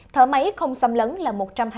thở máy không xâm lấn là một trăm hai mươi